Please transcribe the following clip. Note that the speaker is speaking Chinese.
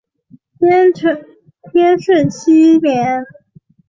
天顺七年。